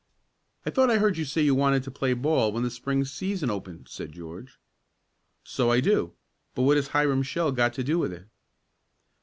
"I thought I heard you say you wanted to play ball when the Spring season opened," said George. "So I do, but what has Hiram Shell got to do with it?"